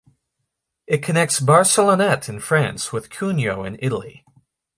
It connects Barcelonnette in France with Cuneo in Italy.